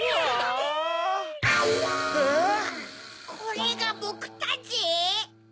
これがボクたち？